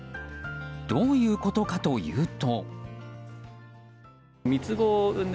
どういうことかというと。